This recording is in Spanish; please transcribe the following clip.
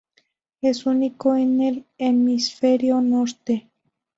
Es único en el hemisferio norte.